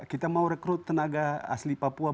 kita mau rekrut tenaga asli papua